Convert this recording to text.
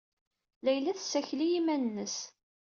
Layla tessakel i yiman-nnes.